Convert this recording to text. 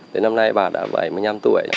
đến năm nay bà đã bảy mươi năm tuổi